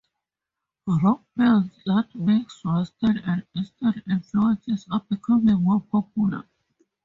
Rock bands that mix western and eastern influences are becoming more popular.